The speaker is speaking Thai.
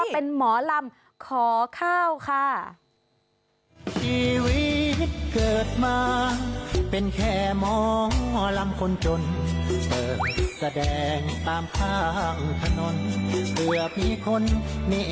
เพราะว่าเป็นหมอรำขอข้าวค่ะ